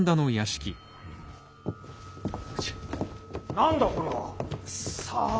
何だこれは。さあ？